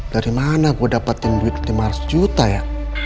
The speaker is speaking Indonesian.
dari mana gue dapetin duit lima ratus juta ya